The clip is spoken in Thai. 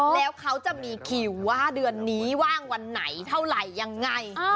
แล้วเขาจะมีคิวว่าเดือนนี้ว่างวันไหนเท่าไหร่ยังไง